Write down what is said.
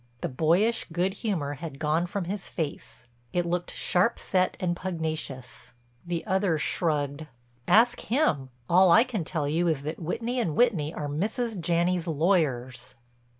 The boyish good humor had gone from his face; it looked sharp set and pugnacious. The other shrugged: "Ask him. All I can tell you is that Whitney & Whitney are Mrs. Janney's lawyers."